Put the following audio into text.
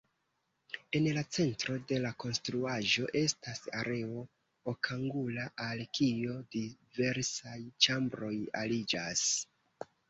En la centro de la konstruaĵo estas areo okangula, al kio diversaj ĉambroj aliĝas.